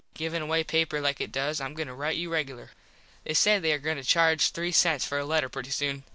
givin away paper like it does Im goin to rite you regular. They say there goin to charge three sents for a letter pretty soon.